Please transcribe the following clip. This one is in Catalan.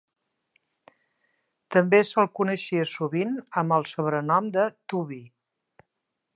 També se'l coneixia sovint amb el sobrenom de "Tubby".